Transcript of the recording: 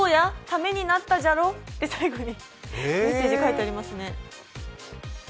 ためになったじゃろ？とメッセージに書いてありますね。